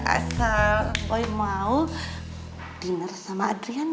asal boy mau dinner sama adriana